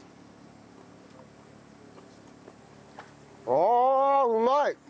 ああうまい！